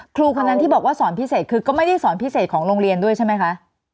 ครูคนนั้นที่บอกว่าสอนพิเศษคือก็ไม่ได้สอนพิเศษของโรงเรียนด้วยใช่ไหมคะ